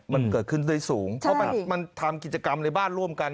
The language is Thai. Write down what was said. มันเกิดขึ้นได้สูงเพราะมันทำกิจกรรมในบ้านร่วมกัน